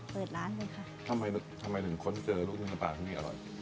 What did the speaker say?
เปิดร้านเลยค่ะทำไมทำไมถึงค้นเจอลูกชิ้นน้ำปลาที่นี่อร่อย